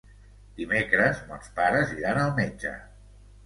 Dimecres mons pares iran al metge.